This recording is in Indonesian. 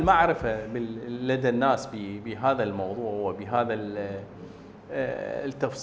maka assalnya memandangi pelayan effort